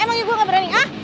emangnya gue gak berani ah